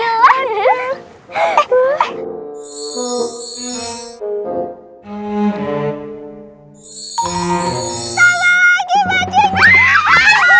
tambah lagi bajunya